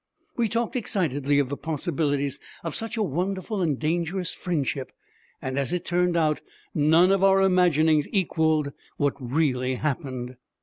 We talked excitedly of the possibilities of such a wonderful and dangerous friendship. And as it turned out, none of our imaginings equaled what really happened.